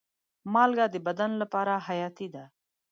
مالګه د بدن لپاره حیاتي ده.